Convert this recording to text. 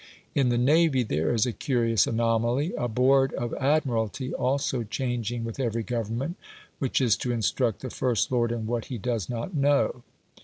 In the navy, there is a curious anomaly a Board of Admiralty, also changing with every Government, which is to instruct the First Lord in what he does not know.